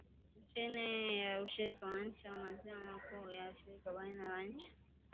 chini ya ushirika wa nchi za maziwa makuu na ushirikiano wa baina ya nchi